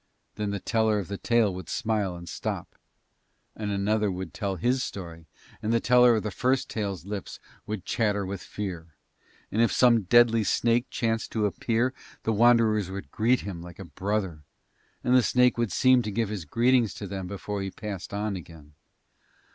Then the teller of the tale would smile and stop, and another would tell his story, and the teller of the first tale's lips would chatter with fear. And if some deadly snake chanced to appear the Wanderers would greet him like a brother, and the snake would seem to give his greetings to them before he passed on again.